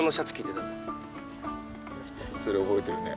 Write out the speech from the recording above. それ覚えてるね。